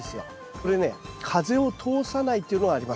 これね風を通さないっていうのがあります。